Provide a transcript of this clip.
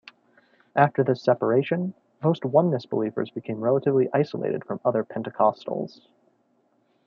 After this separation, most Oneness believers became relatively isolated from other Pentecostals.